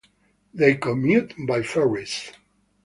They commuted by ferries.